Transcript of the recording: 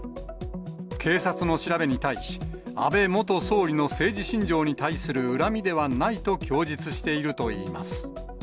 警察の調べに対し、安倍元総理の政治信条に対する恨みではないと供述しているといいます。